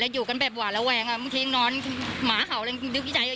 แล้วอยู่กันแบบหว่าแล้วแหวงมึงทิ้งนอนหมาเข่าเลยดึกใจ